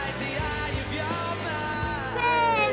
せの。